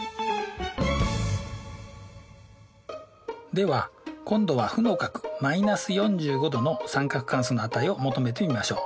では今度は負の角−４５°の三角関数の値を求めてみましょう。